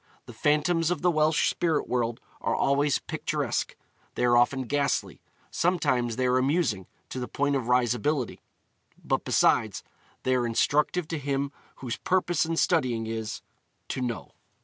The phantoms of the Welsh spirit world are always picturesque; they are often ghastly; sometimes they are amusing to the point of risibility; but besides, they are instructive to him whose purpose in studying is, to know.